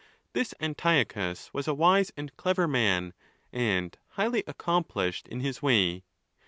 — This Antiochus was a wise and clever man, and highly accomplished in his way.